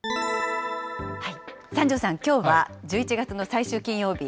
三條さん、きょうは１１月の最終金曜日。